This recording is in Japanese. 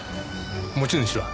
持ち主は？